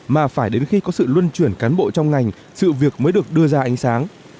mà phải đến khi có sự luân chuyển cán bộ trong ngành sự việc mới được đưa ra ánh sáng